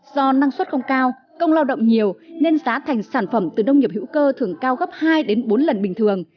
do năng suất không cao công lao động nhiều nên giá thành sản phẩm từ nông nghiệp hữu cơ thường cao gấp hai đến bốn lần bình thường